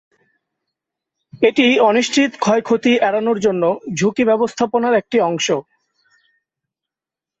এটি অনিশ্চিত ক্ষয়ক্ষতি এড়ানোর জন্য ঝুঁকি ব্যবস্থাপনার একটি অংশ।